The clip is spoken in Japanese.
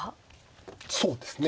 そうですね。